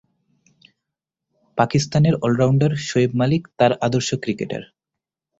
পাকিস্তানের অল-রাউন্ডার শোয়েব মালিক তার আদর্শ ক্রিকেটার।